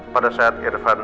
pada saat irfan